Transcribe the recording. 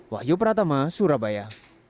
wahyu pratama surabaya